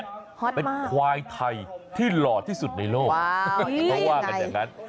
ฮอตมากเป็นควายไทยที่หล่อที่สุดในโลกว้าวยังไง